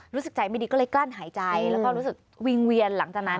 รู้สึกใจไม่ดีก็เลยกลั้นหายใจแล้วก็รู้สึกวิงเวียนหลังจากนั้น